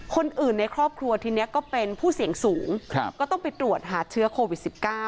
คนอื่นในครอบครัวทีนี้ก็เป็นผู้เสี่ยงสูงก็ต้องไปตรวจหาเชื้อโควิด๑๙